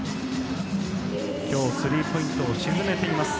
今日、スリーポイントを沈めています。